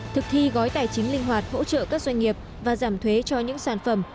thực thi gói tài chính linh hoạt hỗ trợ các doanh nghiệp và giảm thuế cho những sản phẩm